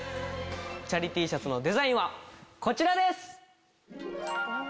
チャリＴシャツのデザインはこちらです！